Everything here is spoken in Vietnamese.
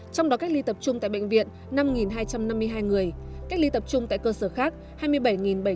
trong đó cách ly tập trung tại bệnh viện năm hai trăm năm mươi hai người cách ly tập trung tại cơ sở khác hai mươi bảy bảy trăm chín mươi tám người